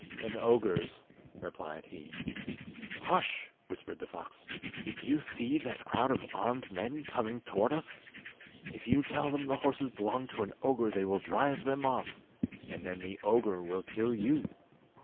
"An ogre's," replied he. "Hush!" whispered the fox, "do you see that crowd of armed men coming towards us? If you tell them the horses belong to an ogre they will drive them off, and then the ogre will kill you!